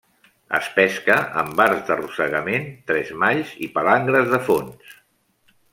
Es pesca amb arts d'arrossegament, tresmalls i palangres de fons.